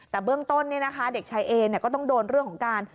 แต่เบื้องต้นนี่นะคะเด็กชายเอเนี่ยก็ต้องโดนเรื่องของการ